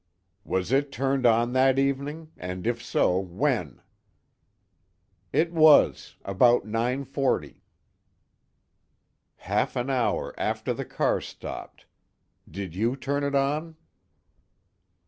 "Was it turned on that evening, and if so, when?" "It was, about 9:40." "Half an hour after the car stopped. Did you turn it on?"